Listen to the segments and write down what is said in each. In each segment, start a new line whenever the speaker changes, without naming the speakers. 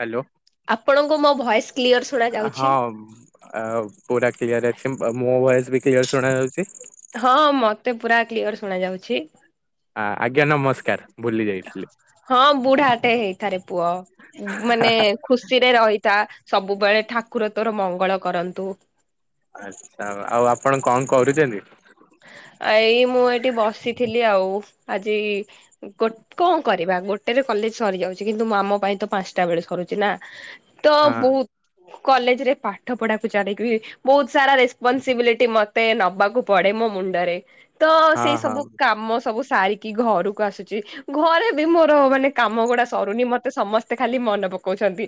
Hello
ଆପଣଙ୍କୁ ମୋ voice clear ଶୁଣା ଯାଉଛି?
ହଁ ଆଉ ପୁରା କ୍ଲିୟର ଅଛି ମୋ ଭଏସ ବି କ୍ୟର ଶୁଣା ଯାଉଛି
ହଁ ମତେ ପୁରା କ୍ଲିୟର ଶୁଣ ଯାଉଛି
ଆ ଆଜ୍ଞା ନମସ୍କାର ଭୁଲି ଯାଇ
ହଁ ବୁଢାଟେ ହେଇଥାରେ ପୁଅ ଉମ ମାନେ ଖୁସିରେ ରହିଥା ସବୁବେଳେ ଠାକୁର ତୋର ମଙ୍ଗଳ କରନ୍ତୁ
ଆଛା ଆଉ ଆପଣ କଣ କରୁଛନ୍ତି
ଏଇ ମୁଁ ଏଇଠି ବସିଥିଲି ଆଉ ଆଜି କ କଣ କରିବା ଗୋଟେରେ କ ଲେଜ୍ ସରିଯାଉଛି କିନ୍ତୁ ଆମ ପାଇଁ ତ ପାଞ୍ଚଟା ବେଳେ ସରୁଛି ନା ତ
ହଁ
ବହୁତ କଲେଜ ରେ ପାଠ ପଢାକୁ ଚାଲିକି ବହୁତ ସାରା ରେସପନସିବିଲିଟି ମତେ ନବାକୁ ପଡେ ମୋ ମୁଣ୍ଡରେ ତ
ହଁ
ସେଇ
ହଁ
ସବୁ କାମ ସବୁ ସାରିକି ଘରକୁ ଆସୁଛି ଘରେ ବି ମୋର ମାନେ କାମ ଗୁଡା ସରୁନି ମତେ ସମସ୍ତେ ଖାଲି ମନେ ପ ପକଉଛନ୍ତି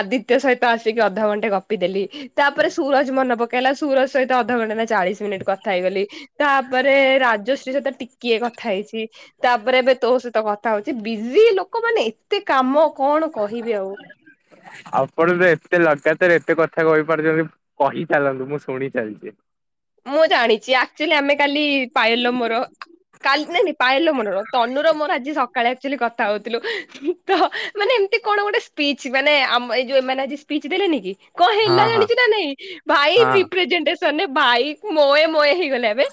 ଆଦିତ୍ୟ ସହିତ ଆସିକି ଅଧ ଘଣ୍ଟେ ଗପି ଦେେଲି ତାପରେ ସୁରଜ ମନେ ପକେଇଲା ସୁ ସହିତ ଅଧଘଣ୍ଟା ନା ଚାଳିଶ ମିନିଟ୍ କଥା ହେଇଗଲି ତାପରେ ରାଜଶ୍ରୀ ସହିତ ଟିକିଏ କଥା ହେଇଛି ତାପରେ ଏବେ ତୋ ସହିତ କ କ ହଉଛି ବିଜି ଲୋକମାନୋନେ ଏତେ କାମ କଣ କହିବି ଆଉ
ଆଉ ଆପଣ ତ ଏତେ ଲଗାତାର ଏତେ କ କଥା କହିପାରୁଛନ୍ତି କହିଚଲନ୍ତୁ ମୁଁ ଶୁଣି ଚାଲିଛି
ମୁଁ ଜାଣିଛି ଆକ୍ଚୁଆଲି ଆମେ କାଲି ପାୟଲ ର ମୋର କାଲି ନାଇଁ ନାଇଁ ପାୟଲ ର ମୋର ନୁହେ ତନୁର ମୋର ଆଜି ସକାଳେ ଆଚୁଆଲି କଥା ହଉଥିଲୁ ତ ମାନେ ଏମତି କଣ ଗୋଟେ ସ୍ପିଚ ମାନେ ଆମ ଏଇ ଯୋଉ ମାନେ ସ୍ପିଚ ଦେଲେନି କି କଣ
ହଁ
ହେଲା
ହଁ
ଜାଣିଚୁ ନା ନାଇଁ ଭାଇ
ହଁ
ରିପ୍ରେଜେଣ୍ଟେସନରେ ଭାଇ ମୋୟେ ମୋୟେ ହେଇଗଲେ ଏବେ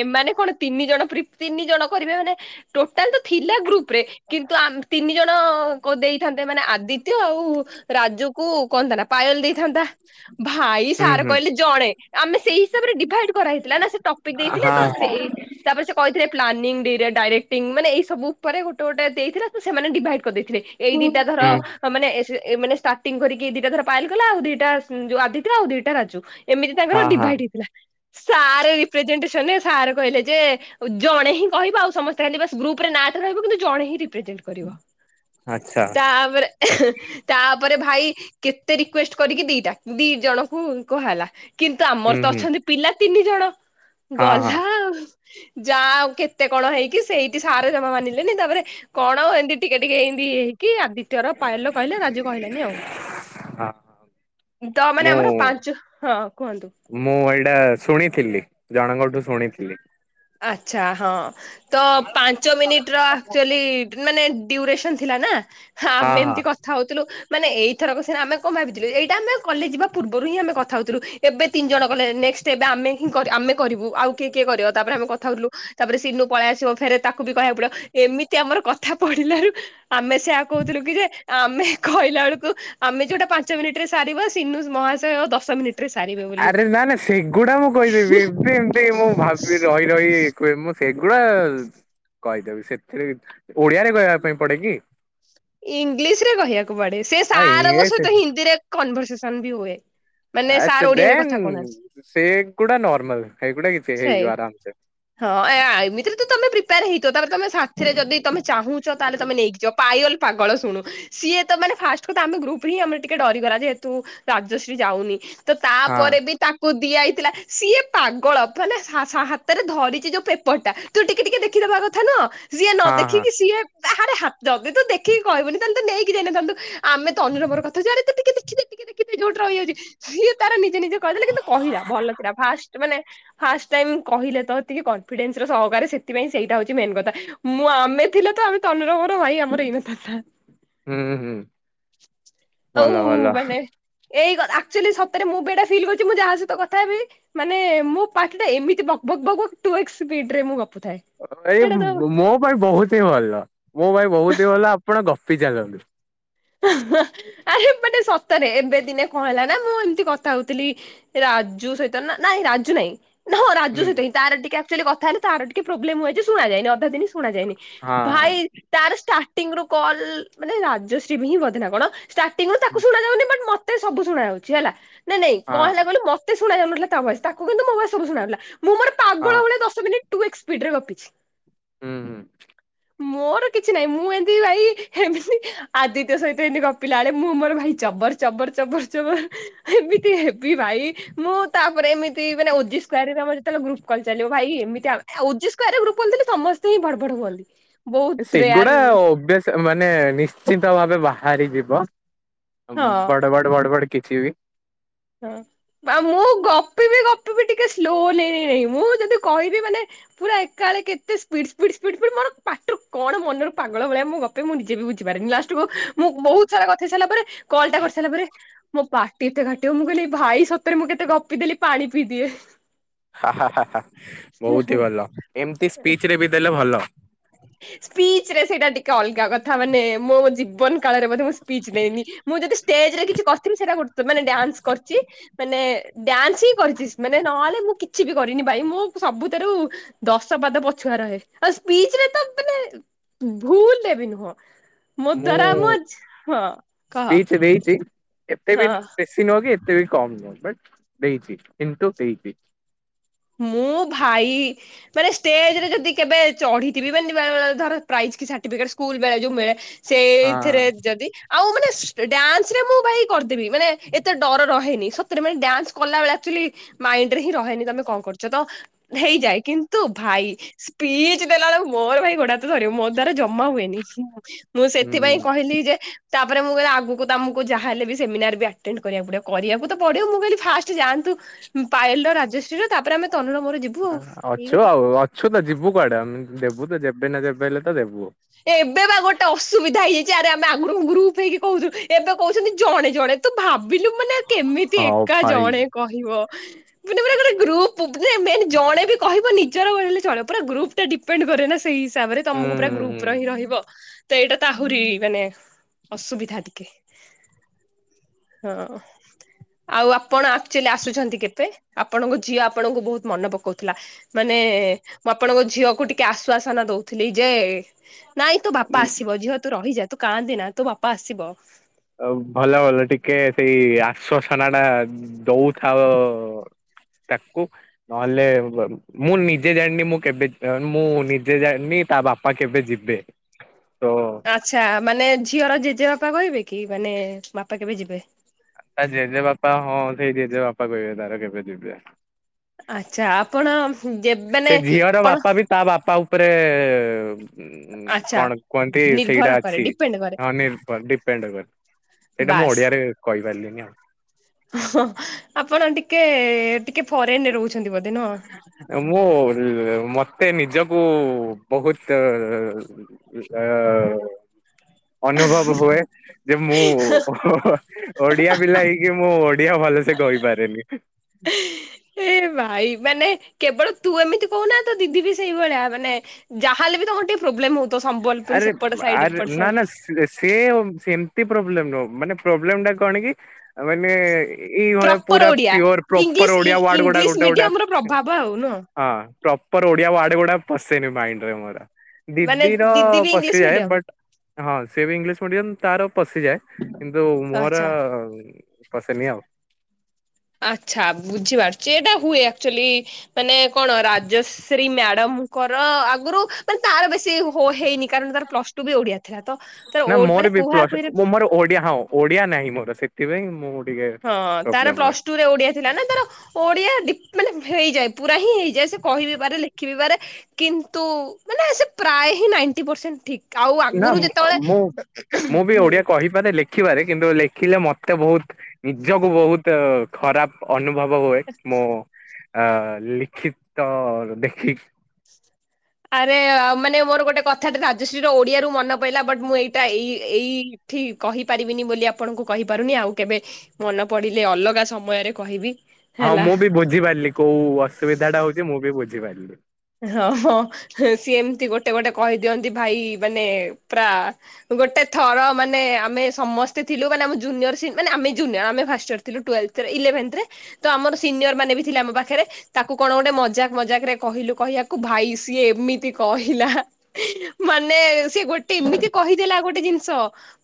ଏମାନେ କଣ ତିନି ଜଣ ତିନି ଜଣ କରିବେ ମାନେ ଟୋଟାଲ ତ ଥିଲା ଗ୍ରୁପ ରେ କିନ୍ତୁ ତିନି ଜଣ ଦେଇଥାନ୍ତେ ମାନେ ଆଦିତ୍ୟ ଆଉ ରା ରାଜକୁ କଣ ତା ନା ପାଏଲ ଦେଇଥାନ୍ତା ଭାଇ
ହୁଁ
ସାର
ହୁଁ
କହିଲେ ଜଣେ ଆମେ ସେଇ ହିସାବରେ ଡିଭାଇଡ କରହେଇଥିଲ ନା ସେ ଟପିକ ଦେଇଥିଲେ
ହଁ
ତ ସେଇ ତାପରେ ସେ କହିଥିଲେ ପ୍ଲାନିଂ ଡାଇରେକ୍ଟିଂ ମାନେ ଏଇ ସବୁ ଉପରେ ଗୋଟେ ଗୋଟେ ଦେଇଥିଲା ସେମାନେ ଡିଭାଇଡ କରିଦେଇଥିଲେ ଏଇ ଦିଟା ଧର
ହୁଁ
ମାନେ ଏ ମାନେ ଷ୍ଟାର୍ଟିଂ କରିକି ଦିଟା ଧର ପାୟଲ କଳା ଆଉ ଦିଟା ଆଦିତ୍ୟ ଆଉ ଦିଟା ରାଜୁ ଏମିତି ତାଙ୍କର
ହଁ ହଁ
ଡିଭାଇଡ
[inaudible]
ସରେ ରେପ୍ରିଜେନ୍ଟେସନ୍ ସାର୍ କହିଲେ ଯେ ଜଣେ ହିଁ କହିବା ଆଉ ସମସ୍ତେ ଖାଲି ଗ୍ରୁପରେ ନାଁ ଜଣେ ହି ରେଜପରେ
ଆଚ୍ଛା
ତାପରେ ଭଇ କେତେ ରିକୁଏଷ୍ଟ କରିକି ଦିଟା ଦି ଜଣଙ୍କୁ କୁ ହେଲା କିନ୍ତୁ ଆମ
ହୁଁ
ତ
ହୁଁ
ଅଛନ୍ତି ପିଲା ତିନି ଜଣ
ହଁ ହଁ
ଗଲା ଆଉ ଯାହା ଆଉ କେତେ କଣ ହେଇକି ସେଇଠି ସାର ଜମା ମାନିଲେନି ତାପରେ କଣ ଏମିତି ଟିକେ ଟିକେ ହେଇ କିଏ କି ଆଦିତ୍ୟ ର ପାୟଲ ର କହିଲେ ରାଜୁ କହିଲାନି ଆଉ
ହଁ
ତ ମାନେ
ମୁଁ
ଆମର ପାଞ୍ଚ ହଁ କୁହନ୍ତୁ
ସେଟା ଶୁଣିଥିଲି ଜଣଙ୍କଠୁ ଶୁଣିଥିଲି
ଆଚଛା ହଁ ତ ପାଞ୍ଚ ମିନିଟ ର ଆକ୍ଚୁଆଲି ମାନେ କୁୟୁରେସନଥିଲାନ।
ହଁ
ଆମେ
ହଁ
ଏମତି କଥା ହଉଥିଲୁ ମାନେ ଏଇଥରକ ସିନା ଆମେ କଣ ଭାବିଥିଲୁ ଏଇଟା ଆମେ କଲେଜ ଯିବା ପୂର୍ବରୁ ହିଁ ଆମ କଥା ହଉଥିଲୁ ଏବେ ତିନି ଜଣ କଲେ ନେକ୍ସଟ୍ ଷ୍ଟେପ ଆମେ ହିଁ ଆମେ କରିବୁ ଆଉ କିଏ କିଏ କରିବ ତାପରେ ଆମେ କଥାହେଉଥିଲୁ, ତାପରେ ସିନୁ ପଳେଇ ଆସିବ, ଫେରେ ତାକୁ ବି କହିବାକୁ ପଡିବ, ଏମିତି ଆମର କଥା ପଡିଲାରୁ ଆମେ ସେଆ କହୁଥିଲୁ କି ଯେ- ଆମେ କହିଲା ବେଳକୁ ଆମେ ଯୋଉଟା ପାଞ୍ଚ ମିନିଟ ରେ ସାରିବ ସିନୁ ମହସୟ ଦଶ ମିନି୍ଟ [unintelligible]
ଆରେ ନା ନା ସେଇଗୁଡା ମୁଁ କହିଦେବି ଏବେ ଏମିତି ମୁଁ ଭାବିବି ରହି ରହି କୁହେ ମୁ ସେଗୁଡା କହିଦେବି, ସେଥିରେ ଓଡିଆରେ କହିବା ପାଇଁ ପଡେ କିି?
ଇଂଲିଶ ରେ କହିବାକୁ ପଡେ। ସେ
ଆ
ସାରଙ୍କ
ଇଂଲିଶ
ସହିତ ହିନ୍ଦୀରେ କନଭରସେସନ ବି ହୁଏ ମାନେ
ଆଛା।
ସାର୍ ଓଡିଆରେ
ଦେନ୍
କଥା କହୁନାହାନ୍ତି
ସେଗୁଡା ନର୍ମାଲ ଏଗୁଡା କିଛି ହେଇଯିବ ଆରାମ ସେ
ହଁଇମିତତିରେ ତମେ ପ୍ରିପେୟାର ହେଇଥ ତାର ତମେ ସାଥିରେ ଯଦି ତମେ ଚାହୁଁଛ ତାହେଲେ ତମେ ନେଇକଯିବ ପା ପାଇୟଲ ପାଗଳ ଶୁଣୁ ସିଏ ତ ମାନେ ଫାଷ୍ଟରୁ ତାଙ୍କ ଗ୍ରୁପ ରୁ ହିଁ ଆମର ଟିକେ ଡରିଗଲା ଯେହେତୁ ରାଜଶ୍ରୀ ଯାଉନି ତ
ହଁ
ତାପରେ ବି ତାକୁ ଦିଆ ହେଇଥିଲା ସିଏ ପାଗଳ, ମାନେ ହାତରେ ଧରିଛି ଯୋଉ ପେପର ଟା ତୁ ଟିକେ ଟିକେ ଦେଖିଦବା ଦେଖିଦବା କଥା ନୁହଁ, ସିଏ ନ
ହଁ ହଁ
ଦେଖିକି ସିଏ ବାହାରେ ଦେଖ କହିବନି ତା ମାନେ ତୁ ନେଇକି ଯାଇନଥାନ୍ତୁ, ଆମେ ତନୁ ର ମୋର କଥା ହଉଛୁ, ଆରେ ତୁ ଟିକେ ଦେଖିଦେ, ଟିକେ ଦେଖିଦେ, ଯୋଉଠି ରହିଯାଉଛୁ। ସିଏ ତାର ନିଜେ ନିଜେ କହିଦେଲେ କିନ୍ତୁ କହିଲା ଭଲ ଥିଲା ଫାଷ୍ଟ ମାନେ ଫାଷ୍ଟ ଟାଇମ୍ କହିଲେ ତ ଟିକେ କନଫିଡେନ୍ସ ର ସହକାରେ ସେଥିପାଇଁ ସେଇଟା ହଉଛି ମେନ୍ କଥା ମୁଁ ଆମେ ଥିଲେ ତ ଆମେ ତନୁର ମୋର ଭାଇ ଆମର ହେଇନଥାନ୍ତା
ହୁଁ ହୁଁ
ଆଉ
ଭଲ ଭଲ
ମାନେ ଏଇ କଥା ଏଇକ୍ଚୁଆଲି ସତରେ ମୁଁ ବି ଏଇଟା ଫିଲ୍ କରୁଛି ମୁଁ ଯାହା ସହିତ କଥା ହେବି ମାନେ ମୋ ପାଟି ଟା ଏମିତି ବକ୍ ବକ୍ ବକ୍ ବକ୍ ଟୁ ଏକ୍ସ ସ୍ପିଡରେ ମୁଁ ଗପୁଥାଏ
ଏଇ
ସେଇଟା ତ
ମୋ ପାଇଁ ବହୁତ ହିଁ ଭଲ, ମୋ ପାଇଁ ବହୁତ ହିଁ ଭଲ, ଆପଣ ଗପ ଗପି ଚାଲନ୍ତୁ
ଆରେ ମାନେ ସତରେ ଏବେ ଦିନେ କଣ ହେଲା ନା ମୁଁ ଏମିତି କଥା ହଉଥିଲି ରାଜୁ ସହିତ, ନାଇଁ, ରାଜୁ ନାଇଁ ହଁ ରାଜ
ହୁଁ
ସହିତ ହି ତାର ଟିକେ ଆକ୍ଚୁଆଲି କଥା ହେଲେ ତାର ଟିକେ ପ୍ରୋବଲେମ ହୁଏ ଯେ ଶୁଣା ଯାଏନି ଅଧା ଦିନ ଶୁଣ ଯାଇନି
ହଁ ହଁ।
ଭାଇ ତାର ଷ୍ଟାର୍ଟିଂ ରୁ କଲ ମାନେ ରାଜଶ୍ରୀ ବି ହିଁ ବଧେ ନା କଣ ଷ୍ଟାର୍ଟିୁ ରୁ ତାକୁ ଶୁଣା ଯାଏନି ବଟ ମତେ ସବୁ ଶୁଣା ଯାଉଛି ହେଲା ନାଇ ନାଇଁ
ହଁ
କଣ ହେଲା କହିଲୁ ମତେ ଶୁଣା ଯାଉନଥିଲା ତା ଭଏସ କିନ୍ତୁ ମୋ ଭଏସ ସବୁ ଶୁଣା ଯାଉଥିଲା
ହଁ
ଟୁ ଏକ୍ସ୍ ସ୍ପିଡ୍ ରେ ଗପିଛି
ହଁ
ମୋର କିଛି ନାହିଁ ମୁଁ ଏମତି ଭାଇ ଏମତି ଆଦିତ୍ୟ ସହିତ ଏମିତି ଗପିଲା ବେଳେ ମୁଁ ମୋର ଭାଇ ଚବର ଚବର ଚବର ଚବର ଏମିତି ହେବି ଭାଇ ମୁଁ ତାପରେ ଏମିତି ମାନେ ଭାଇ ଯେତେବେଳେ ଗ୍ରୁପ୍ କଲ ଚାଲିବ ଭାଇ ଏମତି [unintelligible] ସମସ୍ତେ ହିଁ ଭଡ ଭଡ ହୁଅନ୍ତି ବହୁତ
ସେଗୁଡା
ରେୟାର
ଅଭ୍ୟାସ ମାନେ ନିଶ୍ଚିନ୍ତ ଭାବେ ବାହାରି ଯିବ
ହଁ।
ବଡ ବଡ ବଡ ବଡ କିଛି ବି
ହଁ ଆଉ ମୁଁ ଗପିବି, ଗପିବି ଟିକେ ସ୍ଲୋଲି ନାହିଁ ମୁଁ ଯଦି କହିବି ମାନେ ପୁରା ଏକା ବେଳେ କେତେ ସ୍ପିଡ ସ୍ପିଡ୍ କଣ ପାଟି ରୁ ମାନେ କଣ ମନରୁ ପାଗଳ ଭଳିଆ ମୁଁ ଗପେ ମୁଁ ନିଜେ ବି ଲାଷ୍ଟ୍ କୁ ମୁଁ ବହୁତ ସାରା କଥା ହେଇସାରିଲା ପରେ କଲ ଟା କରିସାଇଲା ପରେ ମୋ ପାଟି ଏତେ ମୁଁ କହିଲି ଭାଇ ସତରେ ମୁଁ କେତେ ଗପି ଦେଲି ପାଣି ପିଇଦିଏ ।
ହା ହା ହା ବହୁତ ହି ଭଲ, ଏମତି ସ୍ପିଚ ରେ ବି ଦେଲେ ଭଲ।
ସ୍ପିଚ ରେ ସେଇଟା ଟିକେ ଅଲଗା କଥା, ମାନେ ମୋ ଜୀବନ କାଳରେ ବୋଧେ ମୁଁ ସ୍ପିଚ୍ ଦେଇନି ମାନେ ମୁଁ ଷ୍ଟେଜରେ କିଛି କରିଥିବି ସେଇଟା ଗୋଟେ ତ ମାନେ ଡ୍ୟାନ୍ସ କରିଛି, ମାନେ ଡ୍ୟାନ୍ସ ହିଁ କରିଛି, ମାନେ ନହେଲେ ମୁଁ କିଛି ବି କରିନି ଭାଇ ମୁଁ ସବୁଠାରୁ ଦଶ ପାଦ ପଛୁଆ ରହେ ଆଉ ସ୍ପିଚ ରେ ତ ମାନେ ଭୁଲରେ ବି ନୁହଁ ମୋ
ମୁଁ
ଦ୍ଵାରା, ହଁ କହ
ସ୍ପିଚ ଦେଇଛି ଏତେ ବି
ହଁ।
ବେଶୀ ନୁହଁ କି, ଏତେ ବି କମ୍ ନୁହଁ, ବଟ ଦେଇଛି, କିନ୍ତୁ ଦେଇ
ମୁଁ ଭାଇ, ମାନେ ଷ୍ଟେଜ ରେ ଯଦି କେବେ ଚଢିଥିବି ମାନେ ଧର କି ସାର୍ଟିଫିକେଟ ସ୍କୁଲ ବେଳେ ଯୋଉ ମିଳେ
ହଁ।
ସେଇଥିରେ ଯଦି । ଆଉ ମାନେ ଡ୍ୟାନ୍ସ ରେ ମୁଁ ଭାଇ କରିଦେବି ମାନେ ଏତେ ଡର ରହେନି ସତରେ ମାନେ ଡ୍ୟାନ୍ସ କଲାବେଳେ ଆକଚୁଆଲି । ମାଇଣ୍ଡରେ ହିଁ ରହେନି ତମେ କଣ। କରୁଛ ତ ହେଇଯାଏ ।କିନ୍ତୁ ଭାଇ ସ୍ପିଚ ଦେଲା ବେଳକୁ ମୋର ଭାଇ ଗୋଡ଼ ହାତ ଥରିବା ମୋ ଦ୍ଵାରା । ଜମା ହୁଏନି ମୁଁ
ହୁଁ
ସେଥିପାଇଁ କହିଲି ଯେ । ତାପରେ ମୁଁ କହିଲି ଆଗକୁ ତ ଆମକୁ ଯାହା ହେଲେ ବି ସେମିନାର ବି ଆଟେଣ୍ଡ କରିବାକୁ ପଡିବ କରିବାକୁ ତ ପଡିବ ମୁଁ କହିଲି ଫାଷ୍ଟ ଯାଆନ୍ତୁ । ପାଏଲ ର ରାଜଶ୍ରୀ ର ।
ଅଛୁ ଆଉ ଅଛୁ ତ ଯିବୁ କୁଆଡେ ଆମେ ଦେବୁ ତ ଯେବେ ନା ଯେବେ ହେଲେ ତ ଦେବୁ ଆଉ।
ଏବେ ବା ଗୋଟେ ଅସୁବିଧା ହେଇଯାଇଛି ଆରେ ଆମେ ଆଗରୁ ଗ୍ରୁପ୍ ହେଇକି କହୁଥିଲୁ ଏବେ କହୁଛନ୍ତି ଜଣେ ଜଣେ। ତୁ ଭାବିଲୁ ମାନେ କେମିତି
ହଉ
ଏକା
ଭାଇ।
ଜଣେ କହିବ । ଗ୍ରୁପ୍ ପ୍ରୁପ ରେ ମେନ୍ ଜଣେ ବି କହିବ ନିଜ ରହିଲେ ଚଳିବ ପୁରା ଗ୍ରୁପ ଟା ଡିପେଣ୍ଡ କରେ ନା ସେଇ। ହିସାବରେ
ହୁଁ
ତମକୁ ପୁରା ଗ୍ରୁପ ।
ହୁଁ
ଥିବ ତ ଏଇଟା ତ ଆହୁରି ମାନେ ଅସୁବିଧା ଟିକେ । ହଁ । ଆଉ ଆପଣ ଆକ୍ଚୋଲି ଆସୁଛନ୍ତି କେବେ ଆପଣଙ୍କ ଝିଅ ଆପଣଙ୍କୁ ବହୁତ ମନେ ପକଉଥିଲା ମାନେ । ମାନେ ମୁଁ ଆପଣଙ୍କ ଝିଅକୁ ଟିକେ ଆଶ୍ଵାସନା ଦଉଥିଲି ଯେ । ନାଇଁ ତୋ ବାପା
ହୁଁ।
ଆସିବ ଝିଅତୁ ରହିଯା ତୁ କାଆନ୍ଦେନା ତୋ ବାପା ଆସିବ ।
ଆଉ ଭଲ ଭଲ ଟିକେ ସେଇ ଆଶ୍ଵସନା ଟା ଦଉଥାଅ । ତାକୁ ନହେଲେ ଵ ମୁଁ ନିଜେ ଜାଣିନି ମୁଁ କେବେ ମୁଁ ନିଜେ ଜାଣିନି । କି ତା ବାପା କେବେ ଯିବେ ।
ଆଚ୍ଛା ମାନେ ଝିଅର ଜେଜେବାପା କହିବେ କି ମାନେ ବାପା କେବେ ଯିବେ ।
ତା ଜେଜେ ବାପା ହଁ ସେଇ ଜେଜେ ବାପା କହିବେ ତାର କେବେ ଯିବେ ।
ଆଛା ଆପଣ ।
ସେ ଝିଅର ବାପା ବି ତା ବାପା ଉପରେ । ଉ
ଆଚ୍ଛା
କଣ କୁହନ୍ତି ସେଇଟା
ନିର୍ଭର କରେ
ଅଛି
ଡିପେଣ୍ଡ କରେ
ହ ନିର୍ଭର ଡିପେଣ୍ଡ କରେ । ସେଇଟା ମୁଁ
ବାସ୍।
ଓଡିଆରେ କହିପାରିଲିନି ଆଉ ।
ହଁ ଆପଣ ଟିକେ । ଟିକେ ଫରେନ ରେ ରହୁଛନ୍ତି ବୋଧେ ନୁଅ ।
ଉ ମତେ ନିଜକୁ ବହୁତ ଅ ଅ । ଡକ ଅନୁଭବ ହୁଏ ଯେ ମୁଁ ଓଡିଆ ପିଲା ହେଇକି ମୁଁ ଓଡିଆ ଭଲସେ । କହିପାରେନି ।
ହେହ୍ ଏ ଏ ଭାଇ ମାନେ କେବଳ ତୁ ଏମିତି କହୁନା ତ ଦିଦି ବି ସେଇଭଳିଆ ମାନେ ଯାହାହେଲେ ବି ତମ ଟିକେ । ପ୍ରୋବ୍ଲେମ ହଉ ।
ଆରେ ଆରେ ନା ନା ସେ ସେମତି ପ୍ରୋଵ୍ ପ୍ରବ୍ଲେମ୍ ନୁହଁ ମାନେ ପ୍ରଵଲେମ୍ ଟା କଣ କି ମାନେ । ଏଇଭଳିଆ
ପ୍ରପର
ପୁରା
Odia
pure
English
proper Odia word ଗୁଡା
ଇଂଲିଶ
ଗୋଟେ ଗୋଟେ
ମିଡିୟମ ର
ଆସୁନି ।
ପ୍ରଭାବ ଆଉ ନୁହଁ।
ହଁ ପ୍ରପର ଓଡିଆ ୱାର୍ଡ୍ ଗୁଡା । ପଶେନି ମାଇନ୍ଡ ରେ ମୋର
ମାନେ
ଦିଦିର
ଦିଦି ବି ଇଂଲିଶ
ପଶିଯାଏ
ମିଡିୟମ
ବଟ୍ ହଁ ସେ ଵି ଇଂଲିଶ୍ । ଷ୍ଟୁଡିଅନ୍ ତାର ପଶିଯାଏ କିନ୍ତୁ ମୋର
ଆଚ୍ଛା।
ପଶେନି ଆଉ।
ଆଚ୍ଛା ବୁଝିପାରୁଚି ଏଇଟା ହୁଏ ଆକ୍ଚୋଲି ମାନେ କଣ ରାଜଶ୍ରୀ ମ୍ୟାଡମ୍ । ଙ୍କର ଆଗରୁ ମାନେ ତାର ବେଶୀ ହୋ ହେଇନି ।
ନା
ଓ ମାନେ
ମୋର ବି ପଲସ୍
କୁହାକୁହିରେ
ମୋର ଓଡିଆ ନାହଁ ଓଡିଆ ନାହିଁ ମୋର ସେଥି। ସେଥିପାଇଁ ମୁଁ ।
ହଁ ତାର ପ୍ଲସ ଟୁରେ ଓଡିଆ ଥିଲା ନା ତାର ଓଡିଆ ଡି ମାନେ ହେଇଯାଏ ପୁରା ହିଁ ହେଇଯାଏ ସେ କହିବି ପାରେ ଲେଖିବି ପାରେ କିନ୍ତୁ ମାନେ ସେ ପ୍ରାୟ । ହି ନାଇଣ୍ଟି ପରସେନ୍ଟ ଠିକ୍ ।
ନା ମ ମୁଁ ମୁଁ ବି ଓଡିଆ କହିପାରେ ଲେଖ । ଲେଖିବାରେ କିନ୍ତୁ ଲେଖିଲେ ମତେ ବହୁତ ନିଜକୁ ବହୁତ ଖରାପ ଅନୁ ଭବ ହୁଏ ମୁଁ ଆ ଲିଖିତ ଦେଖିକି
ଆରେ ମାନେ ମୋର ଗୋଟେ କଥାଟେ ରାଜଶ୍ରୀ ର ଓଡିଆ ରୁ ମନେ ପଇଲା ବଟ୍ ମୁଁ ଏଇଟା ଏଇ ଏଇ ଠିକ କହିପାରିବିନି ବୋଲି ଆପଣଙ୍କୁ କହିପାରୁନି ଆଉ କେବେ ମନେ ପଡ଼ିଲେ ଅଲଗା ସମୟରେ କହିବି।
ହଁ
ହେଲା।
ମୁଁ ବି ବୁଝିପାରିଲି କୋଉ ଅସୁବିଧା ଟା ହଉଛି ମୁଁ ବି ବୁଝିପାରଲି।
ହଁ ହଁ ସିଏ ଏମତି ଗୋଟେ ଗୋଟେ କହିଦିଅନ୍ତି ଭାଇ ମାନେ ପ୍ରା ଗୋଟେ ଥର ମାନେ ଆମେ ସମସ୍ତେ ଥିଲୁ ମାନେ ଆମ ଜୁନିୟର ସିନ୍ ମାନେ ଆମେ ଜୁିନିୟର ଆମେ ଫାଷ୍ଟ ୟର ଥିଲୁ ଟୁଏଲ୍ଭତ୍ ଇଲେଭେନ୍ଥ୍ ରେ ତ ଆମର ସିନିୟର ମାନେ ବି ଥିଲେ ଆମ ପାଖରେ ତାକୁ କଣ ଗୋଟେ ମଜାକ ମଜାକ ରେ କହିଲୁ କହିବାକୁ ଭାଇ ସିଏ ଏମିତି କହିଲା ମାନେ ସିଏ ଗୋଟେ ଏମିତି କହିଦେଲା ଆଉ ଗୋଟେ ଜିନିଷ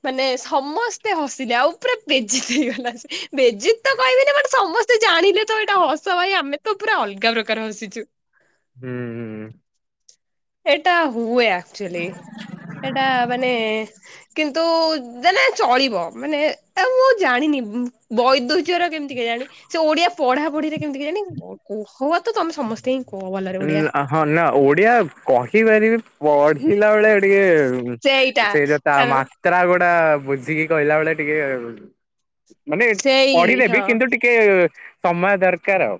ମାନେ ସମସ୍ତେ ହସିଲେ ଆଉ ପୁରା ପେଜି ହେଇଗଲା ସେ ବେଜତି ତ କହିବିନି ମାନେ ସମସ୍ତେ ତ ଜାଣିଲେ ତ ଏଇଟା ହସ ଭାଇ ଆମେ ତ ପୁରା ଅଲଗା ପ୍ରକାର ହସିଛୁ ।
ହୁଁ ହୁଁ।
ଏଟା ହୁଏ ଆକ୍ଚୁଆଲି । ଏଇଟା ମାନେ କିନ୍ତୁ ଦେନେ ଚଳିବ ମାନେ ଆ ମୁଁ ଜାଣିନି ବୈଦ୍ୟ ଉଚ୍ଚାର କେମିତି କେ ଜାଣି ସେ ଓଡ଼ିଆ ପଢ଼ା ପଢ଼ିରେ କେମିତି କେଜାଣି ହୁଏତ ତମେ ସମସ୍ତେ କୁହ ଭଲରେ
ଉ
ଓଡିଆ
ହଁ ନା ଓଡ଼ିଆ କହିପାରିବି ପଢ଼ିଲା ବେଳେ ଟିକେ
ସେଇଟା
ସେ ଯୋଉ ତା
କାରଣ
ମାତ୍ରା ଗୋଡ଼ା ବୁଝିକି କହିଲା ବେଳେ ଟିକେ ମାନେ
ସେଇ
ପଢ଼ି ଦେବି
ହଁ
କିନ୍ତୁ ଟିକେ ସମୟ ଦରକାର ଆଉ।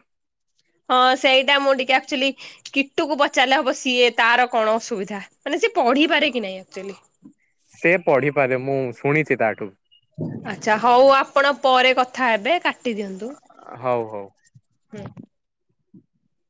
ହଁ ସେଇଟା ମୁଁ ଟିକେ ଆକ୍ଚୁଆଲି କୀଟୁ କୁ ପଚାରିଲେ ହବ ସିଏ ତାର କଣ ଅସୁବିଧା ମାନେ ସେ ପଢ଼ିପାରେ କି ନାଇଁ ଅକ୍ଚୁଆଲି।
ସେ ପଢ଼ିପାରେ ମୁଁ ଶୁଣିଛି ତାଠୁ ।
ଆଚ୍ଛା ହଉ ଆପଣ ପରେ କଥା ହେବେ କାଟି । କାଟିଦିଅନ୍ତୁ
ହଉ ହଉ।
ହୁଁ।
[inaudible]